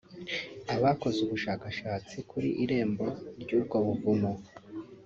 Abakoze ubushakashatsi kuri irembo ry’ubwo buvumo